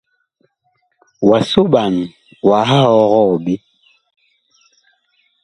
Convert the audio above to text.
Wa soɓan, wah ɔgɔɔ ɓe.